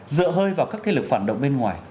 dựa hơi vào các thế lực phản động bên ngoài